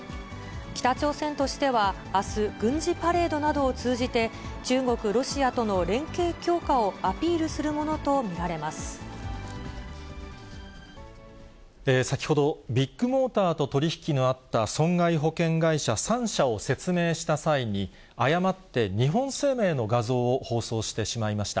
北朝鮮としてはあす、軍事パレードなどを通じて、中国、ロシアとの連携強化をアピールするものと先ほど、ビッグモーターと取り引きのあった損害保険会社３社を説明した際に、誤って日本生命の画像を放送してしまいました。